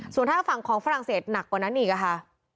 ส่วนถ้าฝั่งของฝรั่งเศสหนักกว่านั้นอีกค่ะ